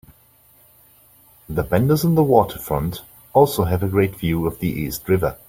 The vendors on the waterfront also have a great view of the East River.